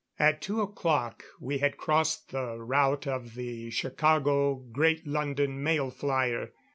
At two o'clock we had crossed the route of the Chicago Great London Mail flyer.